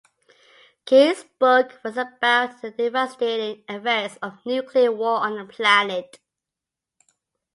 Keyes's book was about the devastating effects of nuclear war on the planet.